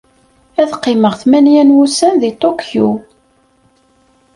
Ad qqimeɣ tmanya n wussan deg Tokyo.